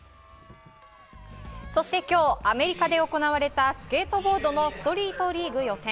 そして今日アメリカで行われたスケートボードのストリートリーグ予選。